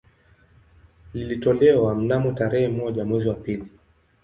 Ilitolewa mnamo tarehe moja mwezi wa pili